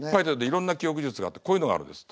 いろんな記憶術があってこういうのがあるんです。